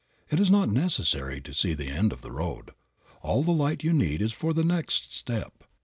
It is not necessary to see to the end of the road. All the light you need is for the next step.